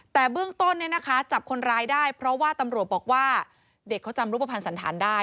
แต่เบื้องต้นเนี่ยนะคะจับคนร้ายได้เพราะว่าตำรวจบอกว่าเด็กเขาจำรูปภัณฑ์สันธารได้